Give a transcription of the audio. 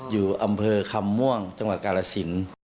อยู่อำเภอคำม่วงจังหวัดกาลสิน